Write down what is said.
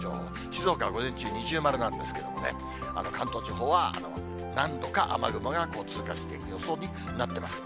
静岡は、午前中、二重丸なんですけどね、関東地方は何度か雨雲が通過していく予想になってます。